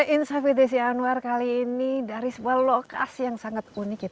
insight with desi anwar kali ini dari sebuah lokasi yang sangat unik